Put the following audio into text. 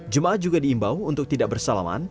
jemaah juga diimbau untuk tidak bersalaman